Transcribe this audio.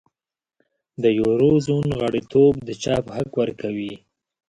د یورو زون غړیتوب د چاپ حق ورکوي.